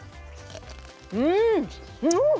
うん！うお！